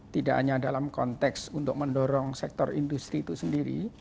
tidak hanya dalam konteks untuk mendorong sektor industri itu sendiri